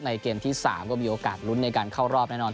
เกมที่๓ก็มีโอกาสลุ้นในการเข้ารอบแน่นอน